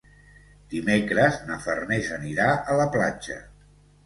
Dimecres na Farners anirà a la platja.